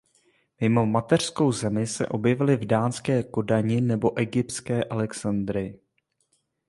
Mimo mateřskou zemi se objevily v dánské Kodani nebo egyptské Alexandrii.